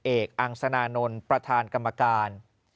เอกอังษณานนทร์ประธานกรรมการ